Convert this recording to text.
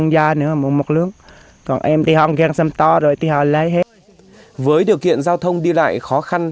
với điều kiện giao thông đi lại khó khăn